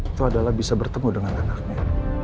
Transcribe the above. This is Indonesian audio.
itu adalah bisa bertemu dengan anaknya